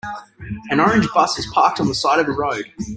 An orange bus is parked on the side of a road.